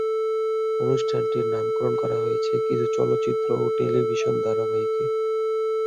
অনুষ্ঠানটির নামকরণ করা হয়েছে কিছু চলচ্চিত্র ও টেলিভিশন ধারাবাহিকে।